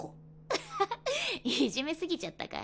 アハハいじめすぎちゃったかい？